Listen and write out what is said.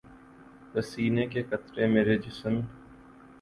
پسینے کے قطرے میرے جسم